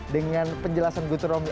dengan penjelasan gunter romli